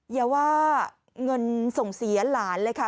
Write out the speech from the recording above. อย่าว่าเงินส่งเสียหลานเลยค่ะ